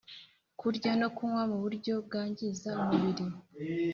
kurya no kunywa mu buryo bwangiza umubiri